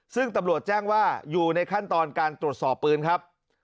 ซึ่งตำรวจแจ้งว่าอยู่ในขั้นตอนการตรวจสอบปืนครับ